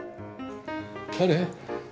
誰？